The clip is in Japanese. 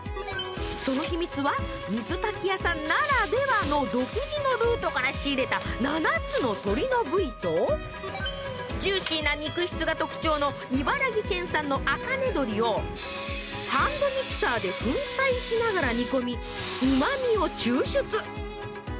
その秘密は水炊き屋さんならではの独自のルートから仕入れた７つの鶏の部位とジューシーな肉質が特徴の茨城県産の茜鶏をハンドミキサーで粉砕しながら煮込みうま味を抽出。